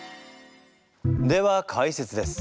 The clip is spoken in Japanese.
では解説です。